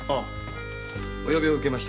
お呼びを受けまして。